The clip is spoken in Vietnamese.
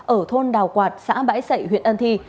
ở thôn đào quạt xã bãi sậy huyện ân thi